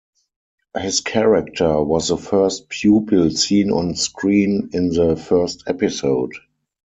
His character was the first pupil seen on screen in the first episode.